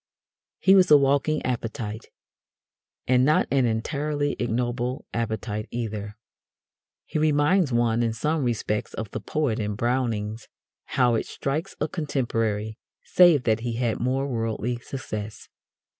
He was a walking appetite. And not an entirely ignoble appetite either. He reminds one in some respects of the poet in Browning's "How it strikes a Contemporary," save that he had more worldly success.